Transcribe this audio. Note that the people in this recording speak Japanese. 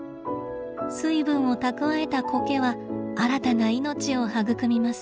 水分を蓄えたコケは新たな命を育みます。